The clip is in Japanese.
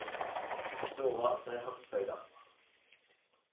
今日は大発会だ